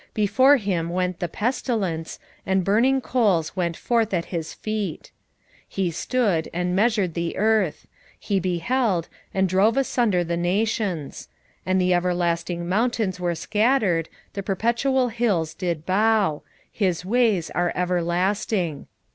3:5 Before him went the pestilence, and burning coals went forth at his feet. 3:6 He stood, and measured the earth: he beheld, and drove asunder the nations; and the everlasting mountains were scattered, the perpetual hills did bow: his ways are everlasting.